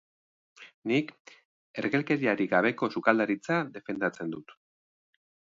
Nik ergelkeriarik gabeko sukaldaritza defendatzen dut.